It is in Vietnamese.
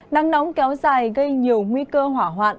nắng nóng kéo dài gây nhiều nguy cơ hỏa hoạn